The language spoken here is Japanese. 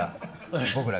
僕ら？